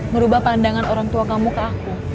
merubah pandangan orang tua kamu ke aku